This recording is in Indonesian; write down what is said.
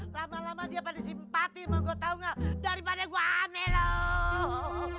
lama lama dia pada simpati mau gue tau gak daripada gua amin loh